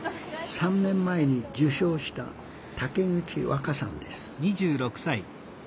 ３年前に受賞した竹口和香さんです